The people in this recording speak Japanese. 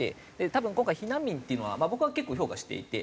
多分今回避難民っていうのは僕は結構評価していて。